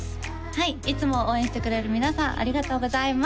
はいいつも応援してくれる皆さんありがとうございます